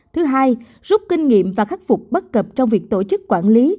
thứ hai rút kinh nghiệm và khắc phục bất cập trong việc tổ chức quản lý